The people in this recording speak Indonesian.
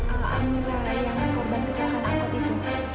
amira yang korban kecelakaan amat itu